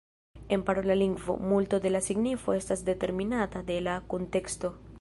En parola lingvo, multo de la signifo estas determinata de la kunteksto.